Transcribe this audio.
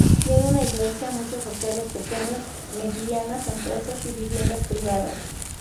Tiene una iglesia, muchos hoteles pequeños, medianas empresas y viviendas privadas.